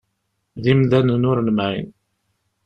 D imdanen ur nemɛin.